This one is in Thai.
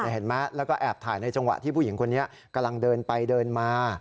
เห็นไหมแล้วก็แอบถ่ายในจังหวะที่ผู้หญิงคนนี้กำลังเดินไปเดินมา